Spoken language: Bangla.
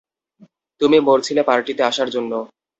তুমি মরছিলে পার্টিতে আসার জন্য।